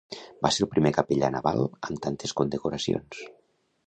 Va ser el primer capellà naval amb tantes condecoracions.